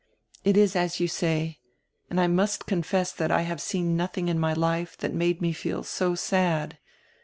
"It is as you say, and I must confess diat I have seen nodting in my life diat made me feel so sad.